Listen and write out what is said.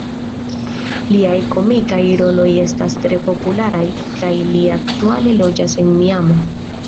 Liaj komikaj roloj estas tre popularaj, kaj li aktuale loĝas en Miamo.